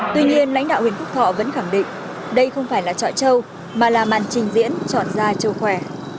tuy nhiên lãnh đạo huyện phúc thọ vẫn khẳng định đây không phải là trọi trâu mà là màn trình diễn chọn ra trâu khỏe